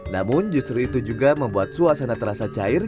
namun justru itu juga membuat suasana terasa cair